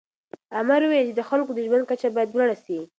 امر وویل چې د خلکو د ژوند کچه باید لوړه سي.